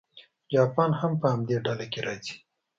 جاپان هم په همدې ډله کې راځي.